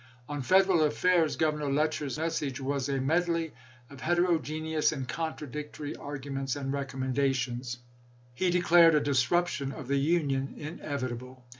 On Federal affairs Governor Letcher's message was a medley of heterogeneous and contradictory argu ments and recommendations. He declared a dis ruption of the Union inevitable.